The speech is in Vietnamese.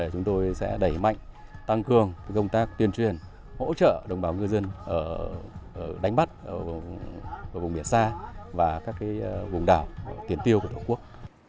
chúng tôi sẽ đẩy mạnh tăng cường công tác tuyên truyền hỗ trợ đồng bào ngư dân đánh bắt ở vùng biển xa và các vùng đảo tiền tiêu của tổ quốc